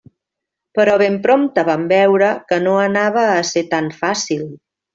Però ben prompte vam veure que no anava a ser tan fàcil.